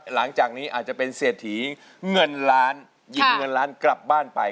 หลังจากนี้อาจจะเป็นเศรษฐีเงินล้านหยิบเงินล้านกลับบ้านไป